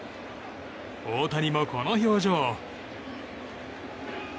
大谷もこの表情。